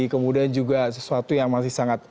kemudian juga sesuatu yang masih sangat